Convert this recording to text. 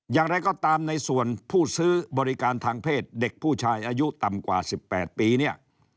อย่างไรก็ตามในส่วนผู้ซื้อบริการทางเพศเด็กผู้ชายอายุต่ำกว่า๑๘ปีเนี่ย